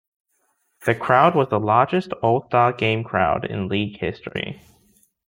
The crowd was the largest All-Star Game crowd in league history.